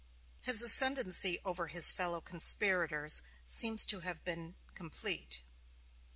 His ascendancy over his fellow conspirators seems to have been complete.